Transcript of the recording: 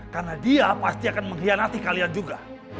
karena dia pasti akan mengkhianati kalian juga